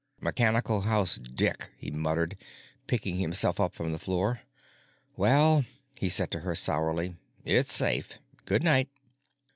"Mechanical house dick," he muttered, picking himself up from the floor. "Well," he said to her sourly, "it's safe. Good night."